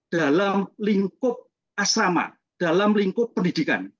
dalam lingkup asrama dalam lingkup pendidikan